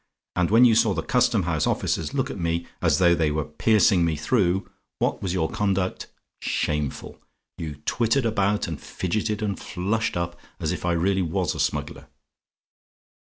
And when you saw the Custom House officers look at me, as though they were piercing me through, what was your conduct? Shameful. You twittered about and fidgeted, and flushed up as if I really WAS a smuggler.